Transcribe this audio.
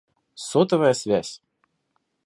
Сотовая связь